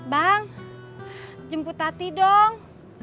bang jemput tati dong